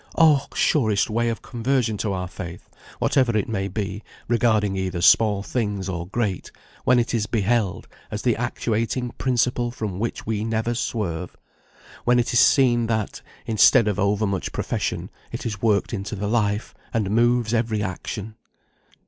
Oh! surest way of conversion to our faith, whatever it may be, regarding either small things, or great, when it is beheld as the actuating principle, from which we never swerve! When it is seen that, instead of over much profession, it is worked into the life, and moves every action!